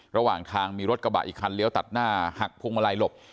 ระหว่างทางมีรถกระบะอีกคันเลี้ยวตัดหน้าหักพวงมาลัยหลบ